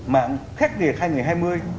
mạng khách nghiệp hai nghìn hai mươi